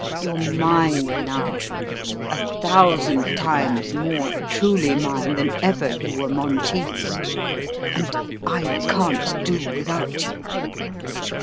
You're mine now a thousand times more truly mine than ever you were Monteith's; and I can't do without you.